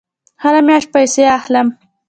هره میاشت پیسې اخلم